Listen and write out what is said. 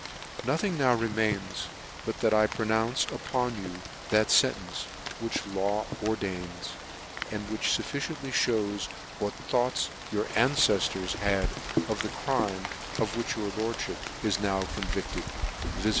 <c Nothing now remains, but that I pronounce upon you that fentence which the law ordains, and which fufficiently mews what thoughts your anceftors had of the crime of which your lordfhip is now convicted, viz.